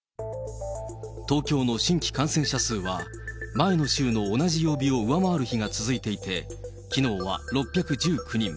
東京の新規感染者数は、前の週の同じ曜日を上回る日が続いていて、きのうは６１９人。